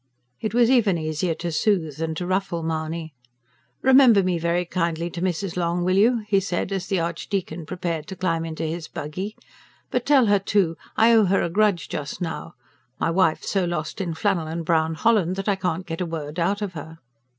It was even easier to soothe than to ruffle Mahony. "Remember me very kindly to Mrs. Long, will you?" he said as the Archdeacon prepared to climb into his buggy. "But tell her, too, I owe her a grudge just now. My wife's so lost in flannel and brown holland that I can't get a word out of her."